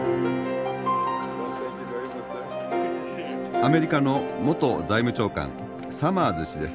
アメリカの元財務長官サマーズ氏です。